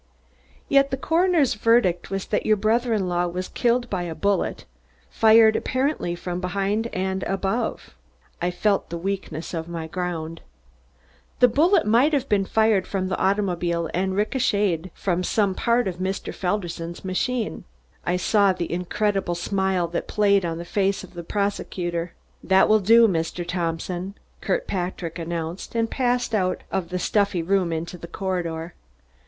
"Yet the coroner's verdict was that your brother in law was killed by a bullet, fired, apparently, from behind and above." I felt the weakness of my ground. "The bullet might have been fired from the automobile and ricochetted from some part of Mr. Felderson's machine." I saw the incredible smile that played on the face of the prosecutor. "That will do, Mr. Thompson," Kirkpatrick announced, and I passed out of the stuffy room into the corridor.